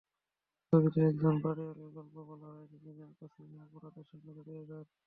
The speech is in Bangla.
ছবিতে একজন বাড়িওয়ালির গল্প বলা হয়েছে, যিনি আকস্মিকভাবে অপরাধের সঙ্গে জড়িয়ে যান।